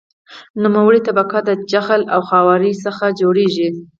نوموړې طبقه د جغل او خاورې څخه جوړیږي